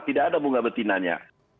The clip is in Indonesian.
tidak ada bunga betinanya